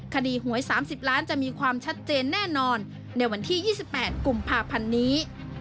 หวย๓๐ล้านจะมีความชัดเจนแน่นอนในวันที่๒๘กุมภาพันธ์นี้